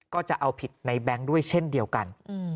ก็จะเอาผิดในแบงค์ด้วยเช่นเดียวกัน